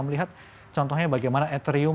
melihat contohnya bagaimana ethereum